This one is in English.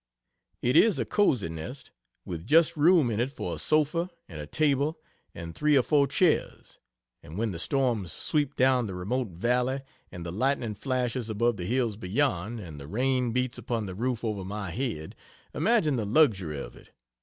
It is a cosy nest, with just room in it for a sofa and a table and three or four chairs and when the storms sweep down the remote valley and the lightning flashes above the hills beyond, and the rain beats upon the roof over my head, imagine the luxury of it!